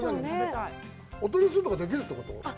お取り寄せとかできるってこと？